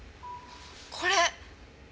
これ。